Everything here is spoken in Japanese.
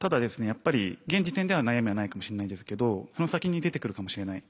やっぱり現時点では悩みはないかもしれないんですけどその先に出てくるかもしれない。